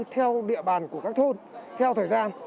theo địa bàn của các thôn theo thời gian